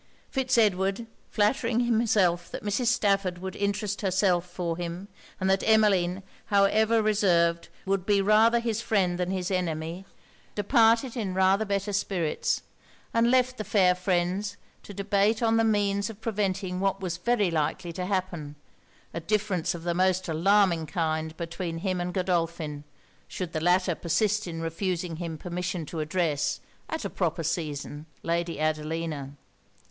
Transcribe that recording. Fitz Edward, flattering himself that Mrs. Stafford would interest herself for him, and that Emmeline, however reserved, would be rather his friend than his enemy, departed in rather better spirits; and left the fair friends to debate on the means of preventing what was very likely to happen a difference of the most alarming kind between him and Godolphin, should the latter persist in refusing him permission to address, at a proper season, Lady Adelina.